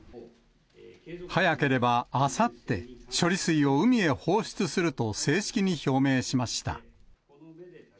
早ければあさって、処理水を海へ放出すると正式に表明しました。